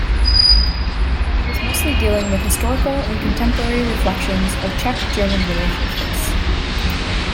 He was mostly dealing with historical and contemporary reflections of the Czech-German relationships.